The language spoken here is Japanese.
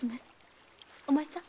お前さん。